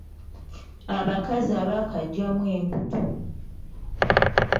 Abakazi abaakaggyamu embuto!